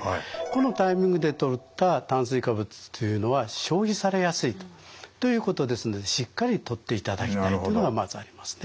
このタイミングでとった炭水化物というのは消費されやすいということですのでしっかりとっていただきたいというのがまずありますね。